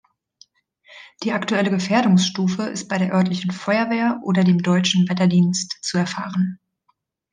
Die aktuelle Gefährdungsstufe ist bei der örtlichen Feuerwehr oder dem Deutschen Wetterdienst zu erfahren.